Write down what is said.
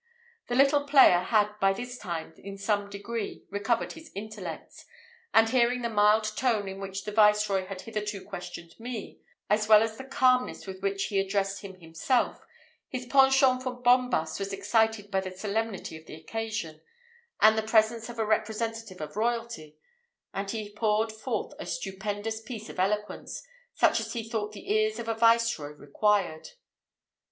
The little player had by this time, in some degree, recovered his intellects, and hearing the mild tone in which the viceroy had hitherto questioned me, as well as the calmness with which he addressed him himself, his penchant for bombast was excited by the solemnity of the occasion, and the presence of a representative of royalty, and he poured forth a stupendous piece of eloquence, such as he thought the ears of a Viceroy required.